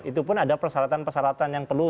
itu pun ada persyaratan persyaratan yang perlu